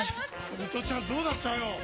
水卜ちゃん、どうだったよ。